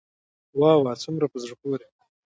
واه واه څومره په زړه پوري.